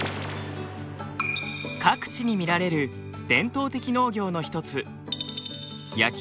各地に見られる伝統的農業の一つ